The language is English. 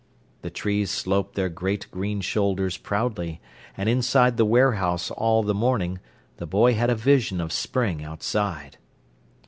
The trees sloped their great green shoulders proudly; and inside the warehouse all the morning, the boy had a vision of spring outside.